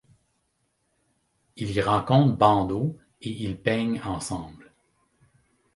Il y rencontre Bando et ils peignent ensemble.